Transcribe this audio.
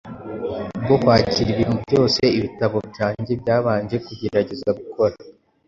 bwo kwakira ibintu byose ibitabo byanjye byabanje kugerageza gukora,